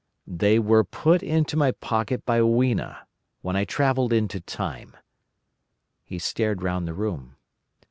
"They were put into my pocket by Weena, when I travelled into Time." He stared round the room.